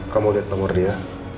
kamu liat nomor dia